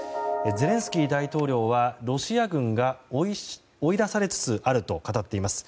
ゼレンスキー大統領はロシア軍が追い出されつつあると語っています。